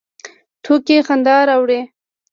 ټوکې خندا راوړي